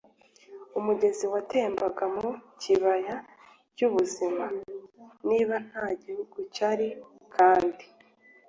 umugezi watembaga mu kibaya cy'ubuzima. niba nta gihuru cyari kandi